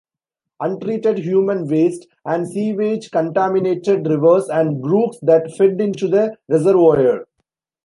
Untreated human waste and sewage contaminated rivers and brooks that fed into the reservoir.